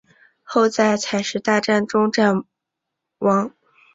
后在采石大战中战亡。